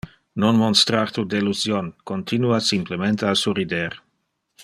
Non monstrar tu delusion, continua simplemente a surrider.